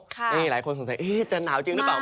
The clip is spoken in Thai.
นี่หลายคนสงสัยจะหนาวจริงหรือเปล่า